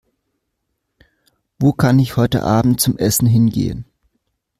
Wo kann ich heute Abend zum Essen hingehen?